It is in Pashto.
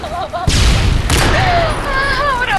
څنګه بې ځایه وېره له خپل ذهن څخه وباسو؟